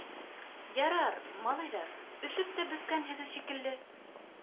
— Ярар, малайҙар, өшөп тә бөткәнһегеҙ шикелле.